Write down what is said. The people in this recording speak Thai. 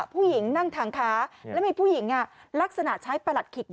ผู้หญิงนั่งถังขาแล้วมีผู้หญิงลักษณะใช้ประหลัดขิก